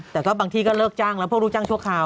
แต่ก็บางทีก็เลิกจ้างแล้วพวกลูกจ้างชั่วคราว